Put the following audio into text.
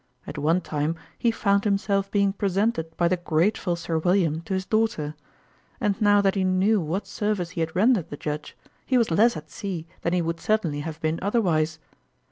At one time, he found himself being presented by the grateful Sir William to his daughter ; and now that he knew what service he had rendered the Judge, he was less at sea than he would certainly have been otherwise.